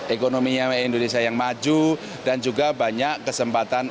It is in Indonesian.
ekonominya indonesia yang maju dan juga banyak kesempatan